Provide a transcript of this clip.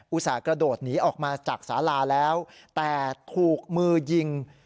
ส่าห์กระโดดหนีออกมาจากสาลาแล้วแต่ถูกมือยิง